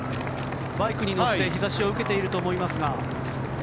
バイクに乗って、日差しを受けていると思いますが。